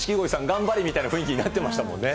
頑張れみたいな雰囲気になってましたもんね。